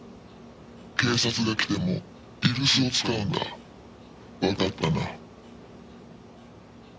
警察が来ても居留守を使うんだ」「わかったな」